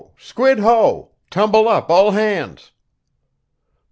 Squid ho! Tumble up, all hands!"